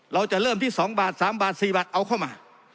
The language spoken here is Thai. เราจะเริ่มที่สองบาทสามบาทสี่บาทเอาเข้ามา